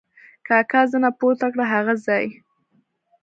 کاکا زنه پورته کړه: هغه ځای!